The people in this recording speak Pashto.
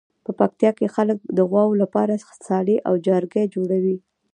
په پکتیکا کې خلک د غواوو لپاره څالې او جارګې جوړوي.